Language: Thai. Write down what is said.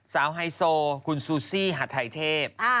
ไฮโซคุณซูซี่หัดไทยเทพ